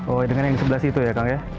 oh dengan yang di sebelah situ ya kang